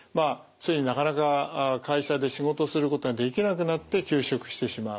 ついになかなか会社で仕事することができなくなって休職してしまう。